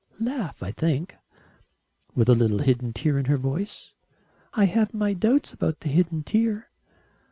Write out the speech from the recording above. "Laugh, I think." "With a little hidden tear in her voice?" "I have my doubts about the hidden tear."